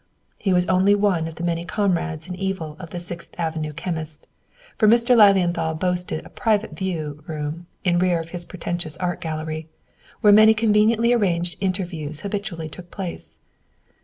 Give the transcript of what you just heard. He was only one of the many comrades in evil of the Sixth Avenue chemist, for Mr. Lilienthal boasted a "private view" room, in rear of his pretentious "Art Gallery," where many conveniently arranged interviews habitually took place.